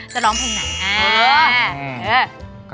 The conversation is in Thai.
แต่น้องไม่ยอมค่ะ